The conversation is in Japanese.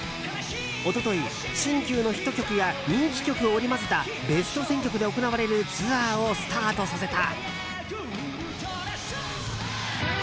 一昨日、新旧のヒット曲や人気曲を織り交ぜたベスト選曲で行われるツアーをスタートさせた。